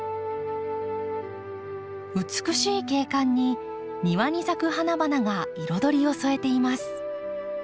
美しい景観に庭に咲く花々が彩りを添えています。